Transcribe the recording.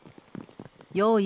用意